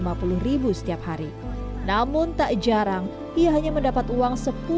berjualan pisang berkisar dua puluh lima puluh ribu setiap hari namun tak jarang ia hanya mendapat uang